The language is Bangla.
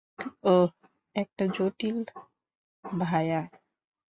ওহ, এটা জটিল, ভায়া।